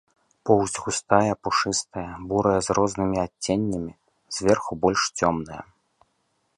Поўсць густая, пушыстая, бурая з рознымі адценнямі, зверху больш цёмная.